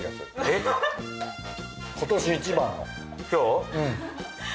今日？